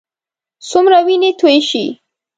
هرڅومره وینې تویې شي.